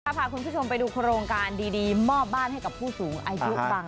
พาคุณผู้ชมไปดูโครงการดีมอบบ้านให้กับผู้สูงอายุบาง